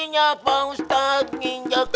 ya pak di